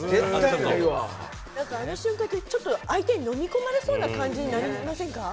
何かあの瞬間ってちょっと相手にのみ込まれそうな感じになりませんか？